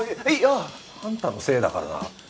いや！あんたのせいだからな。